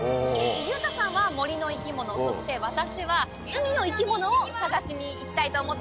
裕太さんは森の生き物そして私は海の生き物を探しに行きたいと思っています。